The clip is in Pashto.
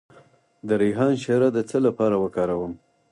د ریحان شیره د څه لپاره وکاروم؟